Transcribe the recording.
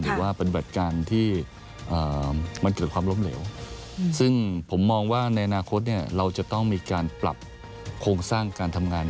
หรือว่าปฏิบัติการที่มันเกิดความล้มเหลวซึ่งผมมองว่าในอนาคตเราจะต้องมีการปรับโครงสร้างการทำงาน